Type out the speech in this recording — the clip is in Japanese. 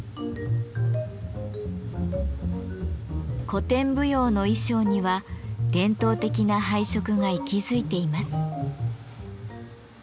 古典舞踊の衣装には伝統的な配色が息づいています。